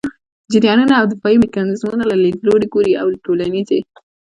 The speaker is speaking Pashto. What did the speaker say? جریانونو او دفاعي میکانیزمونو له لیدلوري ګوري او د ټولنيزې